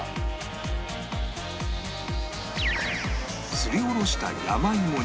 すりおろした山芋に